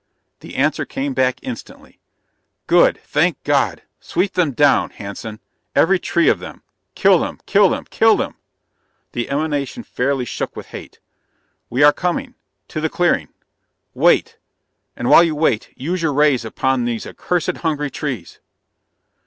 The answer came back instantly: "Good! Thank God! Sweep them down, Hanson: every tree of them. Kill them ... kill them ... kill them!" The emanation fairly shook with hate. "We are coming ... to the clearing ... wait and while you wait, use your rays upon these accursed hungry trees!"